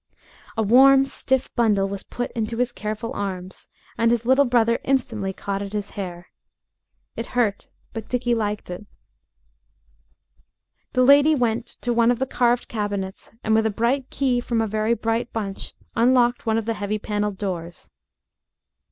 A warm, stiff bundle was put into his careful arms, and his little brother instantly caught at his hair. It hurt, but Dickie liked it. The lady went to one of the carved cabinets and with a bright key from a very bright bunch unlocked one of the heavy panelled doors.